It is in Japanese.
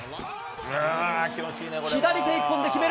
左手一本で決める